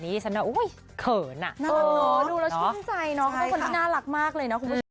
ไม่แน่อาจจะเป็นของกินก็ได้